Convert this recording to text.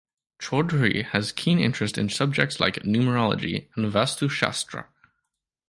Chaudhry has keen interest in subjects like Numerology and Vastu Shastra.